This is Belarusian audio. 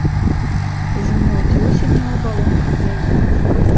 Зімуюць вусені ў абалонках яец.